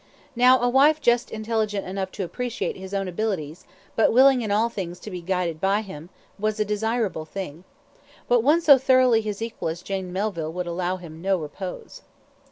Now a wife just intelligent enough to appreciate his own abilities, but willing in all things to be guided by him, was a desirable thing; but one so thoroughly his equal as Jane Melville would allow him no repose.